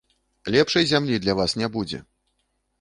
Лепшай зямлі для вас не будзе.